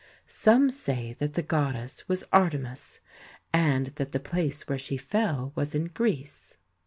Some say that the goddess was Artemis, and that the place where she fell was in Greece.